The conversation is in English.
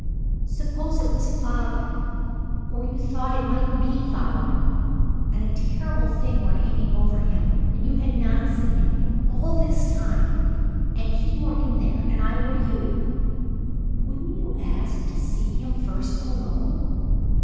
"Suppose it was father or you thought it might be father and a terrible thing were hanging over him and you had not seen him for all this time and he were in there, and I were you wouldn't you ask to see him first alone?